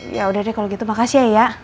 ya udah deh kalau gitu makasih ya